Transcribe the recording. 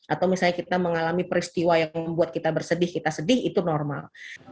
atau misalnya kita mengalami peristiwa yang membuat kita bersedih kita sedih itu normal